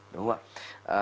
đúng không ạ